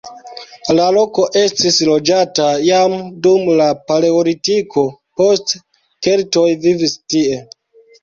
La loko estis loĝata jam dum la paleolitiko, poste keltoj vivis tie.